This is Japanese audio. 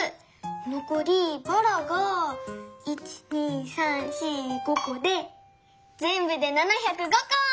のこりばらが１２３４５こでぜんぶで７０５こ！